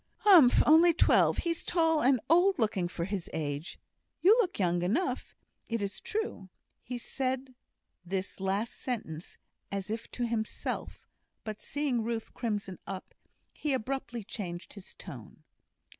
"Umph! only twelve! He's tall and old looking for his age. You look young enough, it is true." He said this last sentence as if to himself, but seeing Ruth crimson up, he abruptly changed his tone.